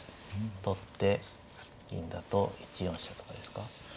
取って銀だと１四飛車とかですか。